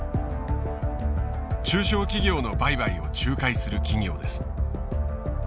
中小企業の売買を仲介する企業です。